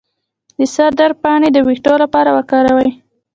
د سدر پاڼې د ویښتو لپاره وکاروئ